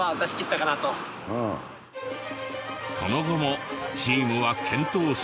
その後もチームは健闘し。